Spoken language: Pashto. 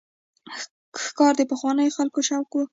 ښکار د پخوانیو خلکو شوق و.